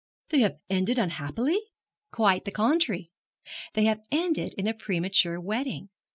'They have ended unhappily?' 'Quite the contrary. They have ended in a premature wedding.